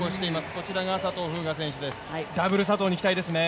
こちらが佐藤風雅です、ダブル佐藤に期待ですね。